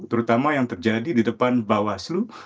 terutama yang terjadi di depan bawah selu